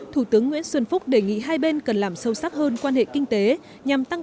thủ tướng nguyễn xuân phúc đề nghị hai bên cần làm sâu sắc hơn quan hệ kinh tế nhằm tăng